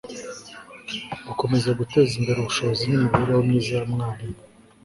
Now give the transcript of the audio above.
gukomeza guteza imbere ubushobozi n'imibereho myiza ya mwarimu